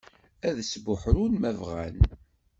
Ad isbuḥru ma bɣan.